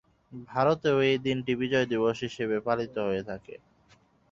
ভারতেও এই দিনটি বিজয় দিবস হিসেবে পালিত হয়ে থাকে।